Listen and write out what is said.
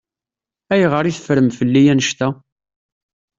Ayɣer i teffrem fell-i annect-a?